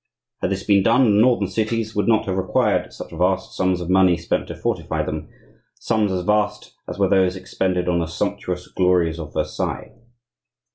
Had this been done, the northern cities would not have required such vast sums of money spent to fortify them,—sums as vast as were those expended on the sumptuous glories of Versailles.